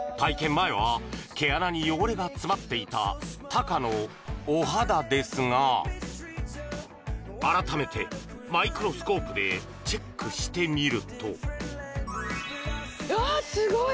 前は毛穴に汚れが詰まっていたタカのお肌ですが改めてマイクロスコープでチェックしてみるとあっすごい！